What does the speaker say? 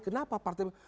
kenapa partai besar